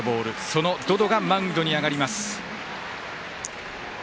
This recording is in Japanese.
その百々がマウンドに上がります。